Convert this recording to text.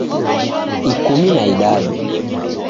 Ikumi na idadu